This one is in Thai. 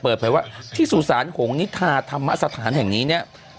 เปิดเผยว่าที่สุสานหงนิทาธรรมสถานแห่งนี้เนี่ย